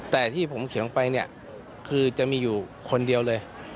แต่ที่ผมเขียนลงไปเนี่ยคือจะมีอยู่คนเดียวเลย